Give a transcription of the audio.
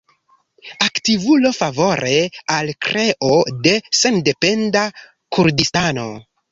Aktivulo favore al kreo de sendependa Kurdistano.